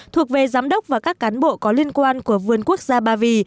thuộc về giám đốc và các cán bộ có liên quan của vườn quốc gia ba vì